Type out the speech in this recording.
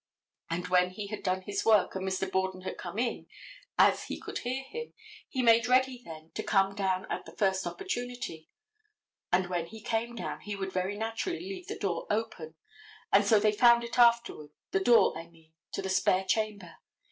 And when he had done his work, and Mr. Borden had come in, as he could hear him, he made ready then to come down at the first opportunity, and when he came down he would very naturally leave the door open, and so they found it afterward, the door, I mean, to the spare chamber.